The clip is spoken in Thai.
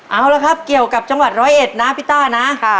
เอาละครับเกี่ยวกับจังหวัดร้อยเอ็ดนะพี่ต้านะ